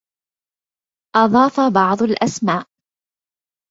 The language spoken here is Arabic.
أضاف بعض الاسماء.